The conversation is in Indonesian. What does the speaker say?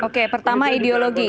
oke pertama ideologi